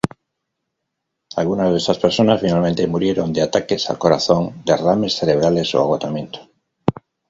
Algunas de estas personas finalmente murieron de ataques al corazón, derrames cerebrales o agotamiento.